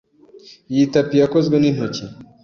Iyi tapi yakozwe n'intoki.